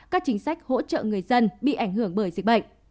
các chính sách hỗ trợ người dân bị ảnh hưởng bởi dịch bệnh